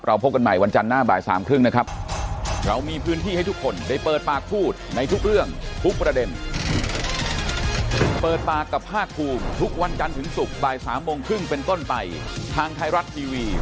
เราพบกันใหม่วันจันทร์หน้าปี๓๓๐นะครับ